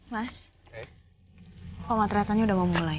mas pematratannya udah mau mulai